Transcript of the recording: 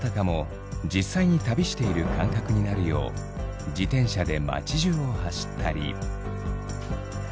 実際に旅している感覚になるよう自転車で町じゅうを走ったり。